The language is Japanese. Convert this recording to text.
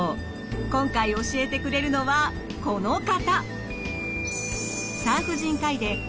今回教えてくれるのはこの方。